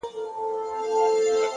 هوښیار انسان له تجربو خزانه جوړوي؛